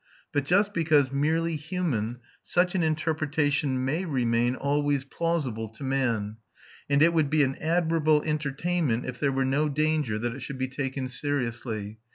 But just because merely human, such an interpretation may remain always plausible to man; and it would be an admirable entertainment if there were no danger that it should be taken seriously.